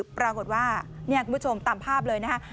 ปรากฏว่านี่คุณผู้ชมตามภาพเลยนะฮะ